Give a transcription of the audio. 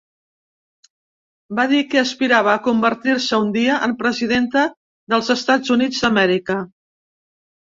Va dir que aspirava a convertir-se un dia en Presidenta dels Estats Units d'Amèrica.